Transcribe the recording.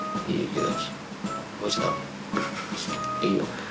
いいよ。